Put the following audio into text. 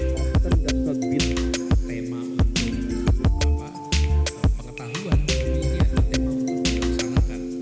proper full build tema pengetahuan bagikan